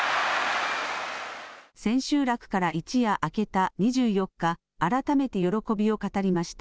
千秋楽から一夜明けた２４日、改めて喜びを語りました。